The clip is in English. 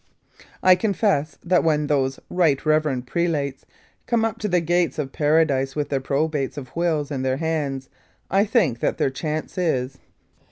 I confess that when those Right Reverend Prelates come up to the gates of Paradise with their probates of wills in their hands, I think that their chance is....